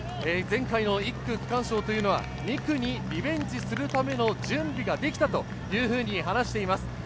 前回の１区区間賞は２区にリベンジするための準備ができたというふうに話しています。